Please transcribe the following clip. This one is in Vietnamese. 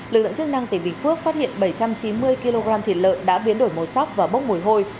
lực lượng chức năng tỉnh bình phước phát hiện bảy trăm chín mươi kg thịt lợn đã biến đổi màu sắc và bốc mùi hôi